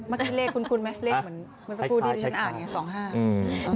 เมื่อกี้เลขคุ้นไหมเลขเหมือนสะพูดดีฉันอ่านอย่างงี้๒๕